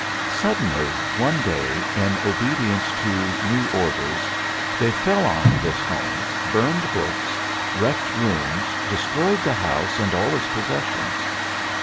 Suddenly one day, in obedience to new orders, they fell on this home, burned books, wrecked rooms, destroyed the house and all its possessions.